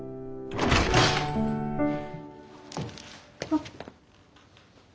あっ。